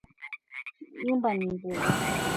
Nyumba ni nzuri